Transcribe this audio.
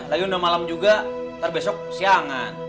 lagi udah malam juga nanti besok siangan